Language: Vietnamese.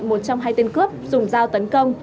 một trong hai tên cướp dùng dao tấn công